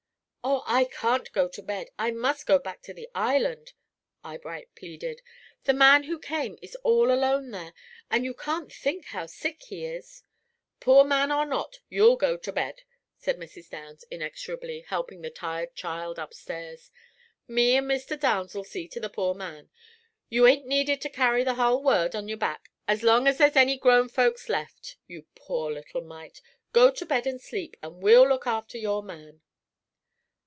"Oh, I can't go to bed; I must go back to the island," Eyebright pleaded. "The man who came is all alone there, and you can't think how sick he is." "Poor man or not, you'll go to bed," said Mrs. Downs, inexorably, helping the tired child upstairs. "Me and Mr. Downs'll see to the poor man. You ain't needed to carry the hull world on your back as long as there's any grown folks left, you poor little mite. Go to bed and sleep, and we'll look after your man."